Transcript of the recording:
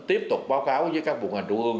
tiếp tục báo cáo với các bộ ngành trung ương